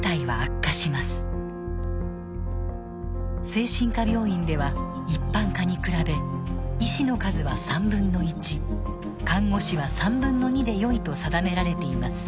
精神科病院では一般科に比べ医師の数は1/3看護師は2/3でよいと定められています。